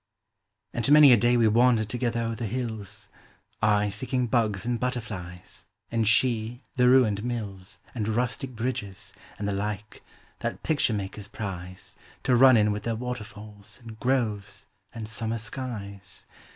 And many a day we wandered together o'er the hills, I seeking bugs and butterflies, and she, the ruined mills And rustic bridges, and the like, that picture makers prize To run in with their waterfalls, and groves, and summer skies.